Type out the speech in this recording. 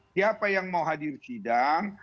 siapa yang mau hadir sidang